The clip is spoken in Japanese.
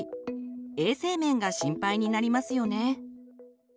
衛生面が心配になりますよね。